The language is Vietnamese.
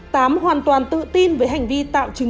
tám hoàn toàn tự tin với hành vi tạo chứng